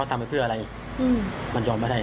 แล้วทำท่าเหมือนลบรถหนีไปเลย